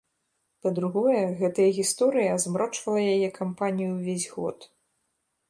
Па-другое, гэтая гісторыя азмрочвала яе кампанію ўвесь год.